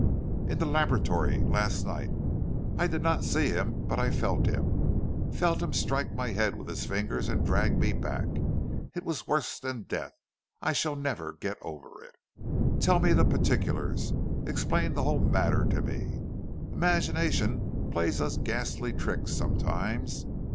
"In the laboratory last night. I did not see him but I felt him; felt him strike my head with his fingers and drag me back. It was worse than death! I shall never get over it." "Tell me the particulars; explain the whole matter to me. Imagination plays us ghastly tricks sometimes.